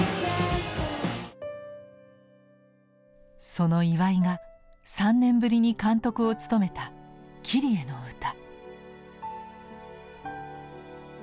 その岩井が３年ぶりに監督を務めた「キリエのうた」。